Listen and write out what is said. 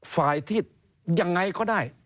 ฝ่ายที่ยังไงก็ได้